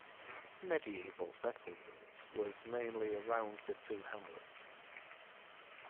Medieval settlement was mainly around the two hamlets.